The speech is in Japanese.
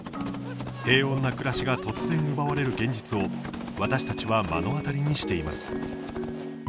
平穏な暮らしが突然、奪われる現実を私たちは目の当たりにしています。